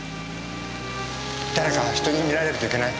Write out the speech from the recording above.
誰か人に見られるといけない。